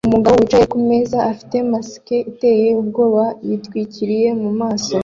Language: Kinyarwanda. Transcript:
umugabo wicaye kumeza afite mask iteye ubwoba yitwikiriye mumaso